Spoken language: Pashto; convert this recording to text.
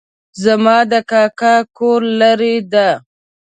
زما د کاکا کور لرې ده